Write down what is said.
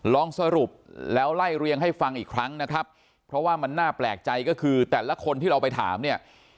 ลองสรุปแล้วไล่เรียงให้ฟังอีกครั้งนะครับเพราะว่ามันน่าแปลกใจก็คือแต่ละคนที่เราไปถามเนี่ย